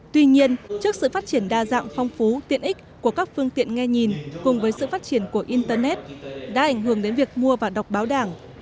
tuy nhiên trước sự phát triển đa dạng phong phú tiện ích của các phương tiện nghe nhìn cùng với sự phát triển của internet đã ảnh hưởng đến việc mua và đọc báo đảng